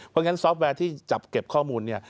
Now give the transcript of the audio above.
เพราะฉะนั้นซอฟต์แวร์ที่จับเก็บข้อมูลเนี่ย